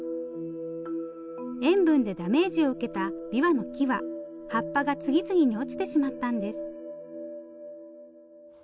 塩分でダメージを受けたびわの木は葉っぱが次々に落ちてしまったんです。